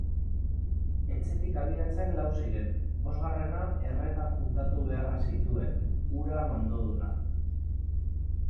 Etxetik abiatzen lau ziren, bosgarrena Erretan juntatu beharra zituen, hura mandoduna.